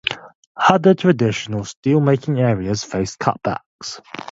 Other traditional steelmaking areas faced cutbacks.